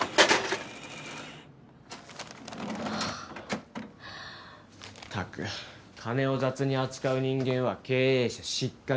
ったく金を雑に扱う人間は経営者失格。